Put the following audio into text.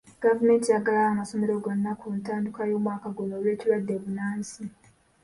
Gavumenti yaggalawo amasomero gonna ku ntandikwa y'omwaka guno olw'ekirwadde bbunansi.